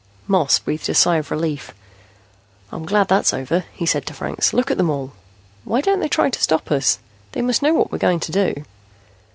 Moss breathed a sigh of relief. "I'm glad that's over," he said to Franks. "Look at them all. Why don't they try to stop us? They must know what we're going to do."